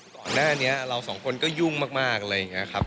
ก่อนหน้านี้เราสองคนก็ยุ่งมากอะไรอย่างนี้ครับ